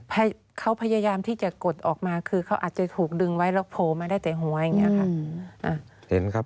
เขาพยายามที่จะกดออกมาคือเขาอาจจะถูกดึงไว้แล้วโผล่มาได้แต่หัวอย่างนี้ค่ะ